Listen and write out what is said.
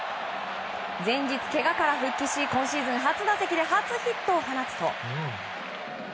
前日けがから復帰し今シーズン初打席で初ヒットを放つと。